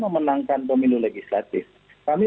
memenangkan pemilu legislatif kami